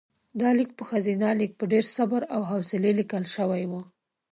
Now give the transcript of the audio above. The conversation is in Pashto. دا لیک په ښځینه لیک په ډېر صبر او حوصلې لیکل شوی و.